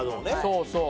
そうそう。